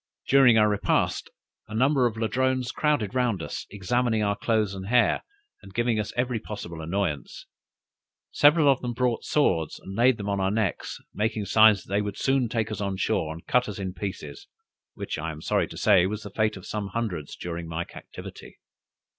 During our repast, a number of Ladrones crowded round us, examining our clothes and hair, and giving us every possible annoyance. Several of them brought swords, and laid them on our necks, making signs that they would soon take us on shore, and cut us in pieces, which I am sorry to say was the fate of some hundreds during my captivity.